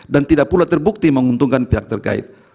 dan tidak pula terbukti menguntungkan pihak terkait